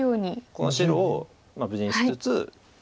この白を無事にしつつ。